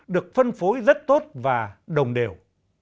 được phân phối rất tốt và đồng đều